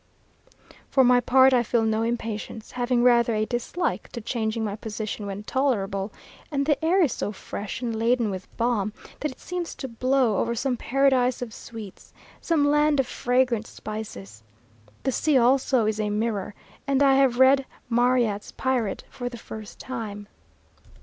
] For my part, I feel no impatience, having rather a dislike to changing my position when tolerable, and the air is so fresh and laden with balm, that it seems to blow over some paradise of sweets, some land of fragrant spices. The sea also is a mirror, and I have read Marryat's "Pirate" for the first time.